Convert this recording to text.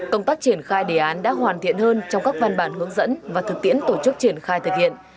công tác triển khai đề án đã hoàn thiện hơn trong các văn bản hướng dẫn và thực tiễn tổ chức triển khai thực hiện